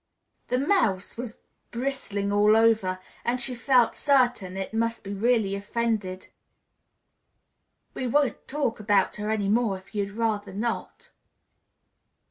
The Mouse was bristling all over and she felt certain it must be really offended. "We won't talk about her any more, if you'd rather not."